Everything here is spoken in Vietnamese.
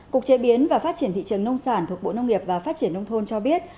cục chế biến và phát triển thị trường nông sản thuộc bộ nông nghiệp và phát triển nông thôn cho biết